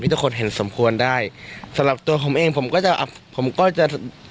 ทุกคนเห็นสมควรได้สำหรับตัวผมเองผมก็จะอ่ะผมก็จะ